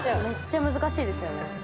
めっちゃ難しいですよね。